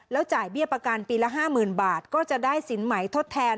จ่ายเบี้ยประกันปีละ๕๐๐๐บาทก็จะได้สินใหม่ทดแทน